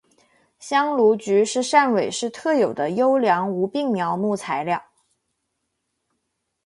香炉桔是汕尾市特有的优良无病苗木材料。